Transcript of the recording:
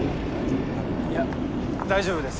いや大丈夫です。